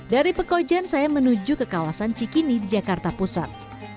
dari pekojan saya menuju ke kawasan cikini di jakarta pusat